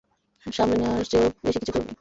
সামলে নেয়ার চেয়েও বেশিকিছু করবি।